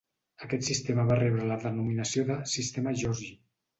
Aquest sistema va rebre la denominació de "sistema Giorgi".